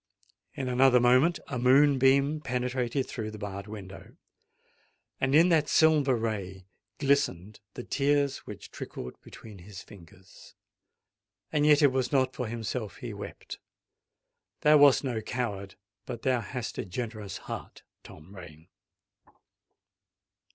In another moment a moonbeam penetrated through the barred window; and in that silver ray glistened the tears which trickled between his fingers. And yet it was not for himself he wept:—thou wast no coward—but thou hadst a generous heart, Tom Rain!